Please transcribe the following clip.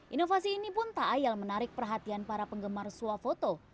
inovasi ini pun tak ayal menarik perhatian para penggemar suafoto